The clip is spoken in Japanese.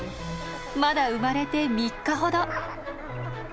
まだ生まれて３日ほど。